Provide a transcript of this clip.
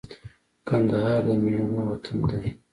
کندهار د مېړنو وطن دی